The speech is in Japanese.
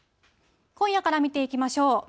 今夜から見ていきましょう。